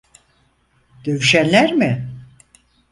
Dövüşenler mi?